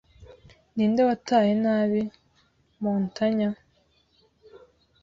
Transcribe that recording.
Ninde wataye nabi Montagna